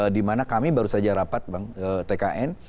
di mana kami baru saja rapat tkn